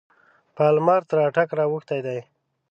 پالمر تر اټک را اوښتی دی.